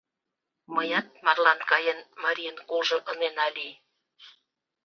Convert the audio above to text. Меат, марлан каен, марийын кулжо ынена лий.